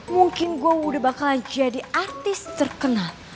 mungkin gue udah bakalan jadi artis terkenal